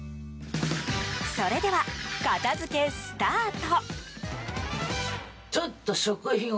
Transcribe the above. それでは、片付けスタート。